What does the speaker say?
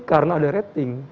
karena ada rating